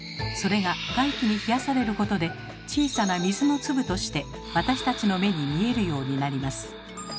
それが外気に冷やされることで小さな水の粒として私たちの目に見えるようになります。